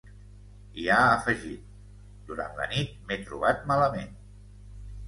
I ha afegit: Durant la nit m’he trobat malament.